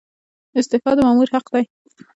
استعفا د مامور حق دی